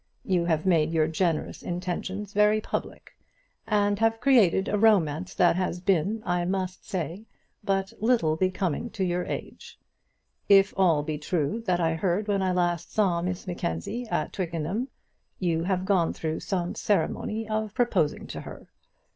You have made your generous intentions very public, and have created a romance that has been, I must say, but little becoming to your age. If all be true that I heard when I last saw Miss Mackenzie at Twickenham, you have gone through some ceremony of proposing to her.